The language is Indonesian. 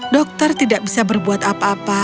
dokter tidak bisa berbuat apa apa